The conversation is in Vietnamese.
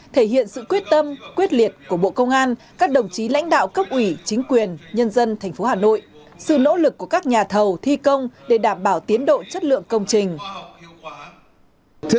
thể hiện sự quyết tâm quyết liệt của bộ công an các đồng chí lãnh đạo cấp ủy chính quyền nhân dân tp hà nội sự nỗ lực của các nhà thầu thi công để đảm bảo tiến độ chất lượng công trình